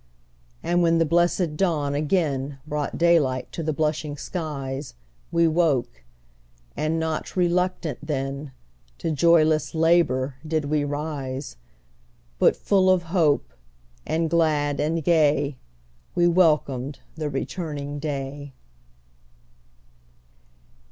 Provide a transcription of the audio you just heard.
And when the blessed dawn again Brought daylight to the blushing skies, We woke, and not RELUCTANT then, To joyless LABOUR did we rise; But full of hope, and glad and gay, We welcomed the returning day.